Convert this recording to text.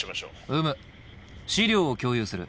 うむ資料を共有する。